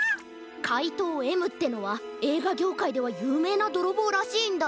かいとうＭってのはえいがぎょうかいではゆうめいなどろぼうらしいんだ。